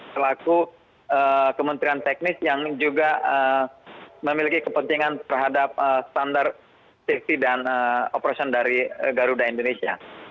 selaku kementerian teknis yang juga memiliki kepentingan terhadap standar safety dan operation dari garuda indonesia